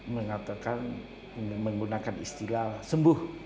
mengatakan menggunakan istilah sembuh